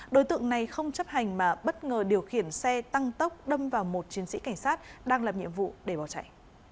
đối tượng này không chấp hành mà bất ngờ điều khiển xe tăng tốc đâm vào một chiến sĩ cảnh sát đang làm nhiệm vụ để bỏ chạy